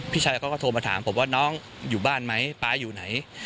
พี่ชายเขาก็โทรมาถามผมว่าน้องอยู่บ้านไหมป๊าอยู่ไหน